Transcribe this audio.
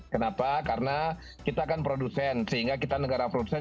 kenapa karena kita kan produsen sehingga kita negara produsen